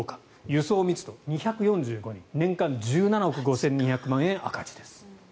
輸送密度２４５人年間１７億５２００万円赤字です。